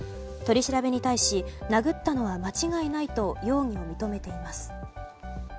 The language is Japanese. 取り調べに対し殴ったのは間違いないと容疑を認めています。